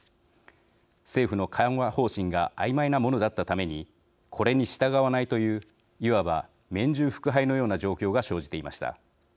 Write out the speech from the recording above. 政府の緩和方針があいまいなものだったためにこれに従わないといういわば面従腹背のような状況が生じていました。